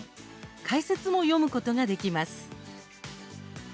解説も読むことができます。